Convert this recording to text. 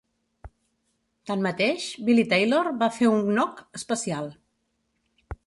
Tanmateix, Billy Taylor va fer un "knock" especial.